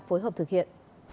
phối hợp thực hiện